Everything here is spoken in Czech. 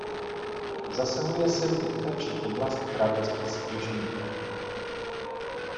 Zasahuje sem i Ptačí oblast Králický Sněžník.